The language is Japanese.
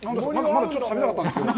まだちょっと食べたかったんですけど。